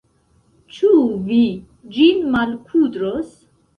Ĉu vi ĝin malkudros?